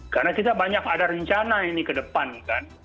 karena kita banyak ada rencana ini ke depan kan